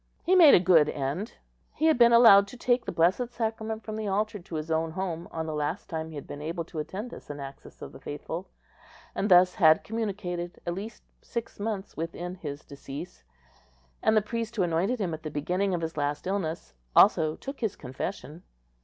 He made a good end; he had been allowed to take the blessed sacrament from the altar to his own home on the last time he had been able to attend a synaxis of the faithful, and thus had communicated at least six months within his decease; and the priest who anointed him at the beginning of his last illness also took his confession.